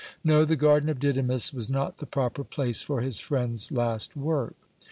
No, the garden of Didymus was not the proper place for his friend's last work.